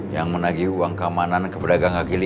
yang menagih uang keamanan kepada gang haki v